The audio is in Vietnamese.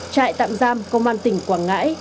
trại tạm giam công an tỉnh quảng ngãi